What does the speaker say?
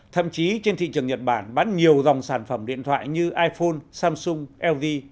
thậm chí trên thị trường nhật bản bán nhiều dòng sản phẩm điện thoại như iphone samsung lg